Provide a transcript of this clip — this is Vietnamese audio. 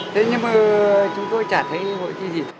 thế nhưng mà chúng tôi chả thấy hội thi gì